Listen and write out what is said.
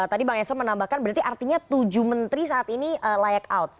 tadi bang eso menambahkan berarti artinya tujuh menteri saat ini layak out